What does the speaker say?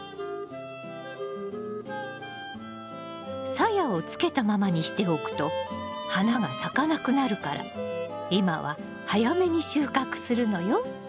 サヤをつけたままにしておくと花が咲かなくなるから今は早めに収穫するのよ。